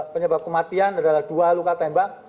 penyebab kematian adalah dua luka tembak